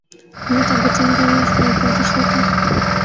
امیتابھبچن کی صاحبزادی شویتا